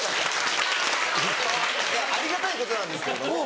いやありがたいことなんですけれども。